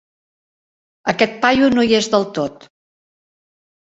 Aquest paio no hi és del tot.